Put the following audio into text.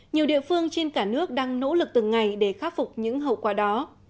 nhiều địa phương trên cả nước đang nỗ lực từng ngày để khắc phục những hậu quả đó